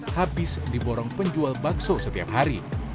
habis diborong penjual bakso setiap hari